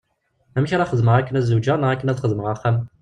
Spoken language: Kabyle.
Amek ara xedmeɣ akken ad zewǧeɣ neɣ akken ad xedmeɣ axxam?